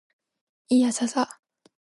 いーやーさーさ